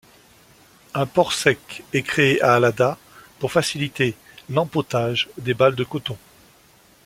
Un port sec est créé à Allada pour faciliter l'empotage des balles de coton.